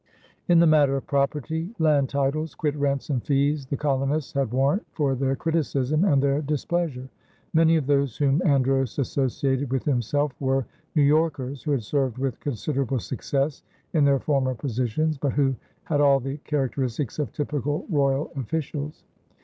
In the matter of property, land titles, quit rents, and fees, the colonists had warrant for their criticism and their displeasure. Many of those whom Andros associated with himself were New Yorkers who had served with considerable success in their former positions, but who had all the characteristics of typical royal officials.